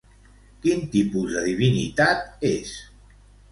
Quin tipus de divinitat és?